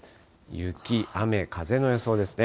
雪、雨、風の予想ですね。